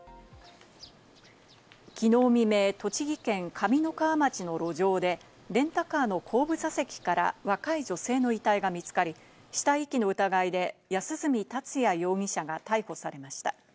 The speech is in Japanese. きのう未明、栃木県上三川町の路上で、レンタカーの後部座席から若い女性の遺体が見つかり、死体遺棄の疑いで安栖達也容疑者が逮捕されました。